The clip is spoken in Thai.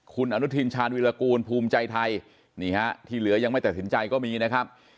คุณอนุทินชาญวิรากูลภูมิใจไทยนี่ฮะที่เหลือยังไม่ตัดสินใจก็มีนะครับ